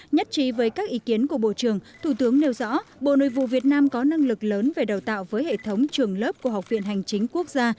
nhất trí với các ý kiến của bộ trưởng thủ tướng nêu rõ bộ nội vụ việt nam có năng lực lớn về đào tạo với hệ thống trường lớp của học viện hành chính quốc gia